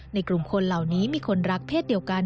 กลุ่มคนเหล่านี้มีคนรักเศษเดียวกัน